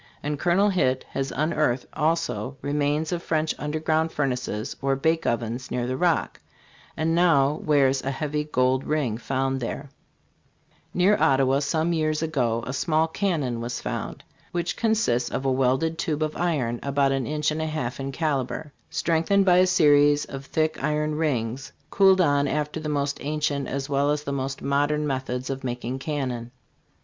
and Col. Hitt has unearthed also remains of French underground furnaces or bake ovens near the Rock, and now wears a heavy gold ring found there. Near Ottawa, some years ago, a small cannon was found, which con sisted of a welded tubef of iron, about an inch and a half in calibre, *MATSON : "Pioneers of Illinois." fPARKMAN : "La Salle, etc" STARVED ROCK : A HISTORICAL SKETCH. strengthened by a series of thick iron rings, cooled on after the most ancient as well as the most modern methods of making cannon.